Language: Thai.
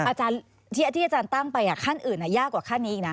อาจารย์ที่อาจารย์ตั้งไปขั้นอื่นยากกว่าขั้นนี้อีกนะ